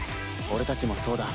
俺たちもそうだ。